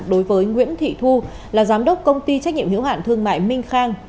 đối với nguyễn thị thu là giám đốc công ty trách nhiệm hiếu hạn thương mại minh khang